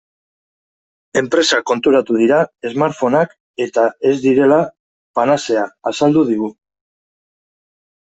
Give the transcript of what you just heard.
Enpresak konturatu dira smartphoneak-eta ez direla panazea, azaldu digu.